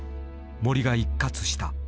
森が一喝した。